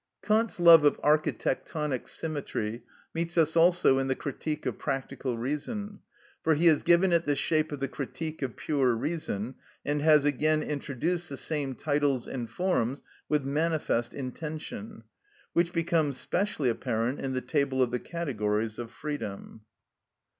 Kant's love of architectonic symmetry meets us also in the "Critique of Practical Reason," for he has given it the shape of the "Critique of Pure Reason," and has again introduced the same titles and forms with manifest intention, which becomes specially apparent in the table of the categories of freedom.